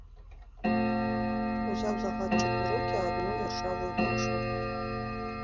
Узяў загадчык у рукі адну іржавую брашурку.